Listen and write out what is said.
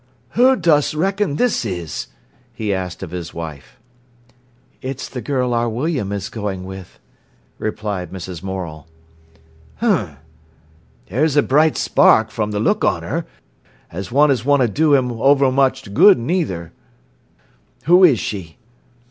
"Who dost reckon this is?" he asked of his wife. "It's the girl our William is going with," replied Mrs. Morel. "H'm! 'Er's a bright spark, from th' look on 'er, an' one as wunna do him owermuch good neither. Who is she?"